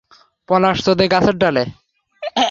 একটা cinema release করা হবে!